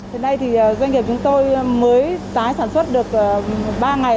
hiện nay thì doanh nghiệp chúng tôi mới tái sản xuất được ba ngày